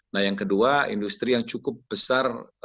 nah yang kedua industri yang cukup besar